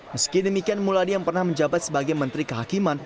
meski demikian muladi yang pernah menjabat sebagai menteri kehakiman